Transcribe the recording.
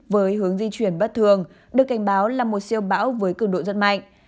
với hướng di chuyển bất thường được cảnh báo là một siêu bão với cường độ rất mạnh